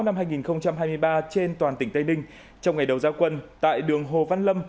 năm hai nghìn hai mươi ba trên toàn tỉnh tây ninh trong ngày đầu giao quân tại đường hồ văn lâm